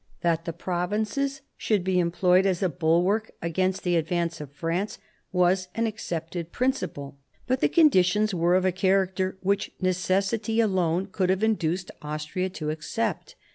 That the provinces should be employed as a bulwark against the advance of France was an accepted principle ; but the conditions were of a character which necessity alone could have induced Austria to accept.